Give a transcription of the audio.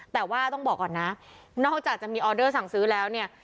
แต่ว่าต้องบอกก่อนนะนอกจากจะมีออเดอร์สั่งซื้อแล้วเนี่ย